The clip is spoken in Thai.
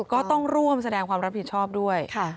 ก็ต้องร่วมแสดงความรับผิดชอบด้วย